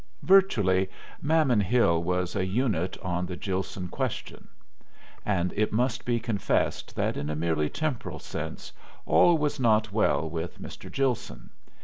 Virtually, Mammon Hill was a unit on the Gilson question. And it must be confessed that in a merely temporal sense all was not well with Mr. Gilson.